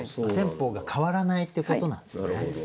テンポが変わらないってことなんですね。